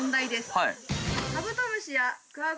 はい。